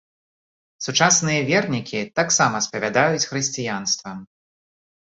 Сучасныя вернікі таксама спавядаюць хрысціянства.